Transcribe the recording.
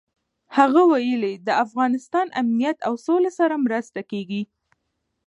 هغه ویلي، د افغانستان امنیت او سولې سره مرسته کېږي.